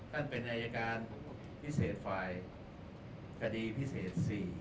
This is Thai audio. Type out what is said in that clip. เป็นอายการพิเศษฝ่ายคดีพิเศษ๔